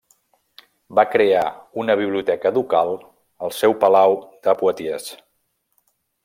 Va crear una biblioteca ducal al seu palau de Poitiers.